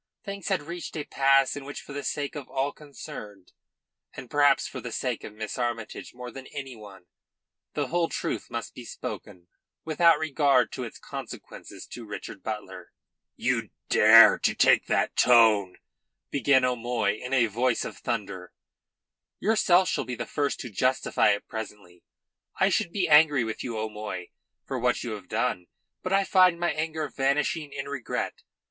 Things had reached a pass in which for the sake of all concerned, and perhaps for the sake of Miss Armytage more than any one, the whole truth must be spoken without regard to its consequences to Richard Butler. "You dare to take that tone?" began O'Moy in a voice of thunder. "Yourself shall be the first to justify it presently. I should be angry with you, O'Moy, for what you have done. But I find my anger vanishing in regret.